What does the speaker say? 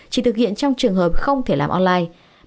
chỉ thực hiện trong trường hợp không thể làm online